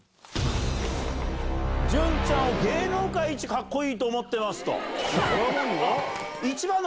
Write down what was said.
潤ちゃんを芸能界一かっこいいと思ってますと。